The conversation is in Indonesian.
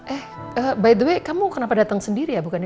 eh by the way kamu kenapa datang sendiri ya bukannya